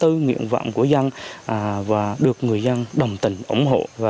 tâm tư nguyện vọng của dân và được người dân đồng tình ủng hộ